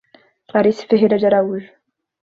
Clarice Ferreira de Araújo